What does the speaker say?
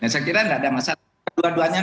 saya kira tidak ada masalah kedua duanya